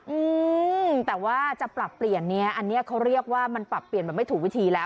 อืมแต่ว่าจะปรับเปลี่ยนเนี้ยอันนี้เขาเรียกว่ามันปรับเปลี่ยนแบบไม่ถูกวิธีแล้ว